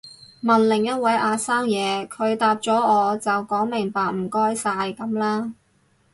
問另一位阿生嘢，佢答咗我就講明白唔該晒噉啦